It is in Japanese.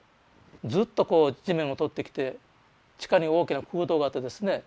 ずっとこう地面を通ってきて地下に大きな空洞があってですね